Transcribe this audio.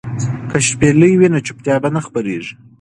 که شپېلۍ وي نو چوپتیا نه خپریږي.